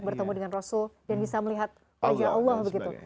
bertemu dengan rasul dan bisa melihat wajah allah begitu